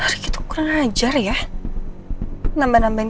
gak monster ga pernah n blasting untuk seasick to say temen suaramu